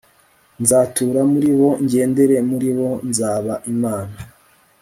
Nzatura muri bo ngendere muri bo Nzaba Imana